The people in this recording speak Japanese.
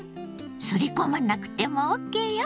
すりこまなくてもＯＫよ。